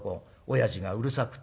親父がうるさくて』。